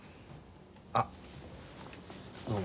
あどうも。